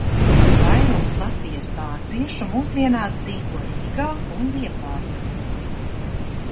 Vairums Latvijas vāciešu mūsdienās dzīvo Rīgā un Liepājā.